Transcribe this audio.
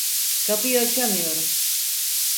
Kapıyı açamıyorum.